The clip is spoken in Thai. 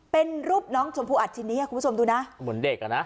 เป็นรูปน้องชมพู่อัดชิ้นนี้คุณผู้ชมดูนะเหมือนเด็กอ่ะนะ